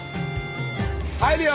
入るよ！